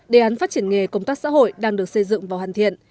đề án phát triển nghề công tác xã hội đang được xây dựng vào hàn thiện